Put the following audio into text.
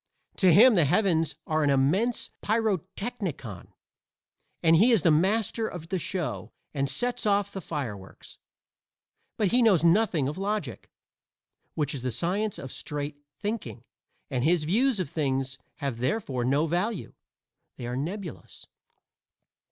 To him the heavens are an immense pyrotechnicon and he is the master of the show and sets off the fireworks. But he knows nothing of logic, which is the science of straight thinking, and his views of things have therefore no value; they are nebulous.